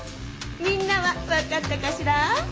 みんなはわかったかしら？